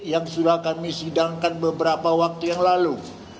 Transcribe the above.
yang sudah kami sidangkan beberapa waktu yang lalu